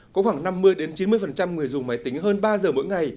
có khoảng năm mươi chín mươi người dùng máy tính hơn ba giờ mỗi ngày